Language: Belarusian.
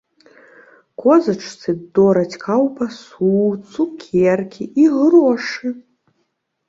Козачцы дораць каўбасу, цукеркі і грошы.